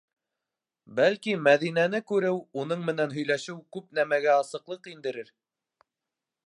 Бәлки, Мәҙинәне күреү, уның менән һөйләшеү күп нәмәгә асыҡлыҡ индерер?